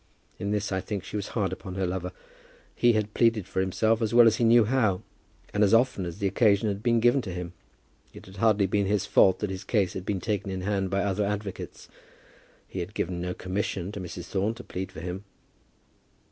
In this, I think, she was hard upon her lover. He had pleaded for himself as well as he knew how, and as often as the occasion had been given to him. It had hardly been his fault that his case had been taken in hand by other advocates. He had given no commission to Mrs. Thorne to plead for him.